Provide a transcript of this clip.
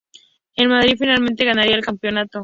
El Madrid finalmente ganaría el campeonato.